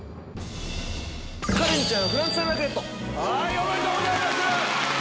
おめでとうございます！